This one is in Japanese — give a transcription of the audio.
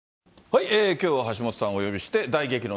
きょうは橋下さんをお呼びして、大激論